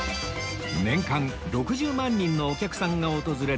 年間６０万人のお客さんが訪れる